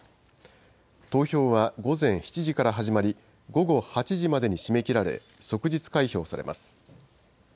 投票は午前７時から始まり、午後８時までに締め切られ、即日開票されます。